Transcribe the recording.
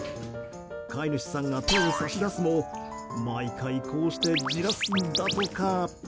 飼い主さんが手を差し出すも毎回こうして、じらすんだとか。